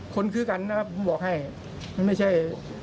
คนซื้อกันนะครับผมบอกให้มันไม่ใช่